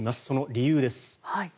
その理由です。